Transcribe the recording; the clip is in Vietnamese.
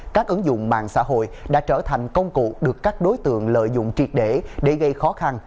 các ứng dụng mạng xã hội đã trở thành công cụ được các đối tượng lợi dụng triệt để để gây khó khăn